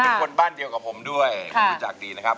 เป็นคนบ้านเดียวกับผมด้วยผมรู้จักดีนะครับ